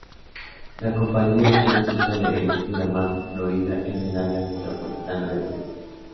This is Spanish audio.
La compañía tiene su sede en Miramar, Florida en el área metropolitana de Miami.